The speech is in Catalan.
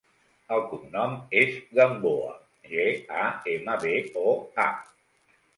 El cognom és Gamboa: ge, a, ema, be, o, a.